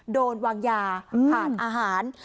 โดนวางยาผ่านอาหาร